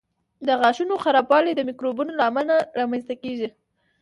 د غاښونو خرابوالی د میکروبونو له امله رامنځته کېږي.